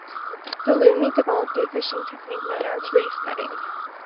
The Lummi developed a fishing technique known as reef netting.